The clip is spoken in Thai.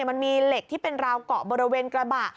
มันมีเหล็กที่เป็นราวเกาะบริเวณกระบะ